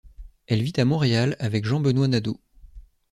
Elle vit à Montréal avec Jean-Benoît Nadeau.